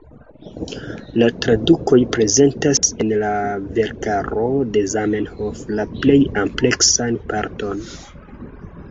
La tradukoj prezentas en la verkaro de Zamenhof la plej ampleksan parton.